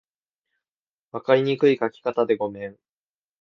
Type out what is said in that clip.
分かりにくい書き方でごめん